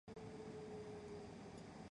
他将古典主义引入巴洛克风格。